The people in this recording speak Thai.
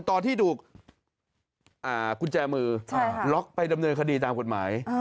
ตอนที่ถูกกุญแจมือล็อกไปดำเนินคดีตามกฎหมาย